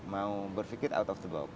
saya juga mau berpikir out of the box